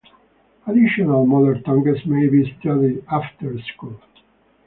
Additional mother tongues may be studied after school.